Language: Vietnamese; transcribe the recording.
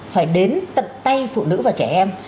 phải đến tận tay phụ nữ và trẻ em